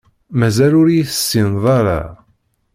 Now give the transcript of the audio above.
Mazal ur iyi-tessineḍ ara.